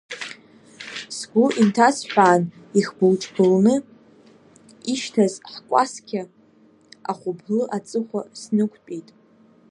Сгәы инҭасҳәаан, ихбыл ҿбылны ишьҭаз ҳкәасқьа ахәыблы аҵыхәа снықәтәеит.